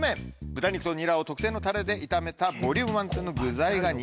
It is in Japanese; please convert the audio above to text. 豚肉とニラを特製のタレで炒めたボリューム満点の具材が人気と。